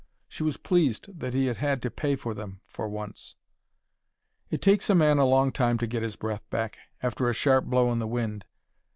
She was pleased that he had had to pay for them, for once. It takes a man a long time to get his breath back, after a sharp blow in the wind.